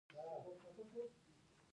افغانستان د پکتیکا له مخې پېژندل کېږي.